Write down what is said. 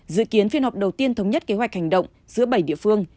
dự kiến phiên họp đầu tiên thống nhất kế hoạch hành động giữa bảy địa phương